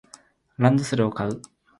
ランドセルを買う